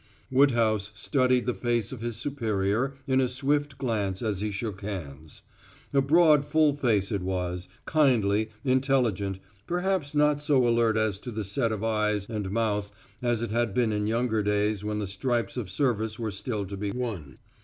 Woodhouse studied the face of his superior in a swift glance as he shook hands. A broad full face it was, kindly, intelligent, perhaps not so alert as to the set of eyes and mouth as it had been in younger days when the stripes of service were still to be won.